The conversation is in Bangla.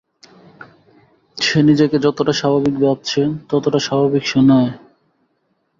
সে নিজেকে যতটা স্বাভাবিক ভাবছে তত স্বাভাবিক সে নয়।